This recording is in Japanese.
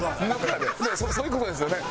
そういう事ですよね。